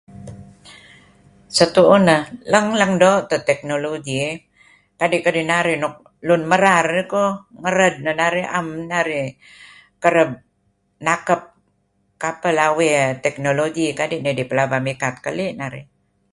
Setu'uh nah, lang lang do teh technology err kadi' kadinarih nuk lun mara eh koh ngered nah narih, 'am nah na'rih kareb na'kep kapeh lawey technology, kadi' nidih pelaba mikat keli' narih.